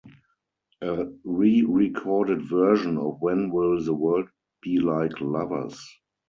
A re-recorded version of When Will the World Be Like Lovers?